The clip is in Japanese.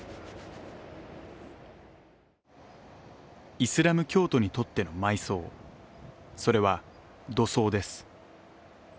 イスラム教徒にとっての埋葬、それは土葬です。